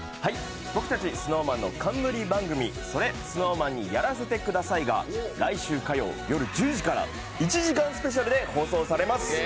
僕たちＳｎｏｗＭａｎの冠番組「それＳｎｏｗＭａｎにやらせて下さい」が来週火曜夜１０時から１時間スペシャルで放送されます。